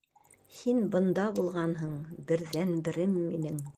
Һин бында булғанһың, берҙән-берем минең.